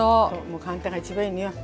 もう簡単が一番いいのよ。